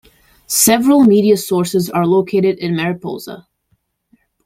Several media sources are located in Mariposa.